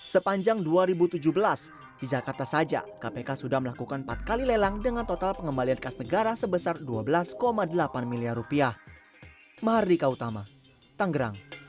sepanjang dua ribu tujuh belas di jakarta saja kpk sudah melakukan empat kali lelang dengan total pengembalian kas negara sebesar dua belas delapan miliar rupiah